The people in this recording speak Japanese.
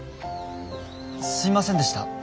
すみませんでした。